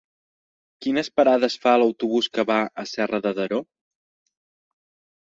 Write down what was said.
Quines parades fa l'autobús que va a Serra de Daró?